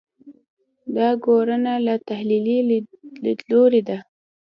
دا ګورنه له تحلیلي لیدلوري ده.